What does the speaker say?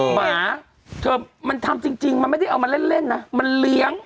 หมาเธอมันทำจริงมันไม่ได้เอามาเล่นนะมันเลี้ยง